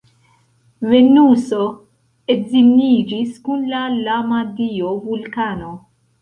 Venuso edziniĝis kun la lama dio Vulkano.